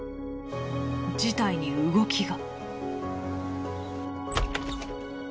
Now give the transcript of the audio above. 事態に動きが。